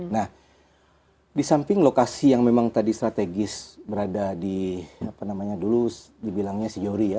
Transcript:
nah di samping lokasi yang memang tadi strategis berada di apa namanya dulu dibilangnya si johri ya